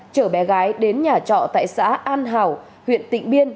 chở bé gái đến nhà trọ tại xã an hảo huyện tịnh biên